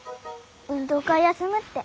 運動会休むって。